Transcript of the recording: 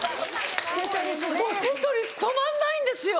もうテトリス止まんないんですよ。